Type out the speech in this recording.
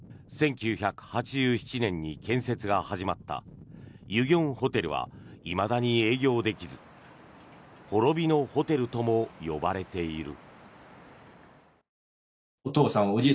１９８７年に建設が始まったユギョンホテルはいまだに営業できず滅びのホテルとも呼ばれている。